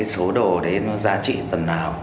số đồ đấy nó giá trị tần nào